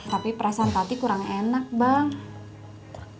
tapi perasaan hati kurang enak bang